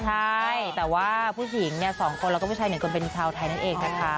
ใช่แต่ว่าผู้หญิงเนี่ย๒คนแล้วก็ผู้ชาย๑คนเป็นชาวไทยนั่นเองนะคะ